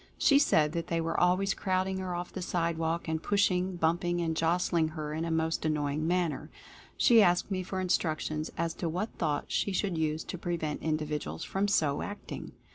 She said that they were always crowding her off the sidewalk and push ing, bumping and jostling her in a most annoying manner. She asked me for instructions as to what thought she should use to prevent individuals from so acting.